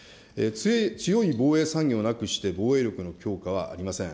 強い防衛産業なくして防衛力の強化はありません。